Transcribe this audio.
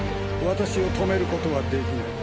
私を止めることはできない。